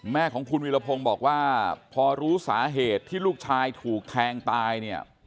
แม่ของคุณวิรพงศ์บอกว่าพอรู้สาเหตุที่ลูกชายถูกแทงตายเนี่ย